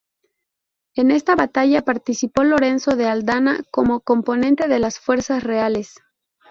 En esta batalla participó Lorenzo de Aldana como componente de las fuerzas reales.